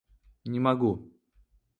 Не могу.